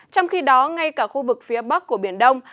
trong khi đó ngay cả khu vực phía bắc của biển đông